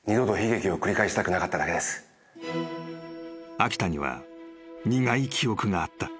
［秋田には苦い記憶があった］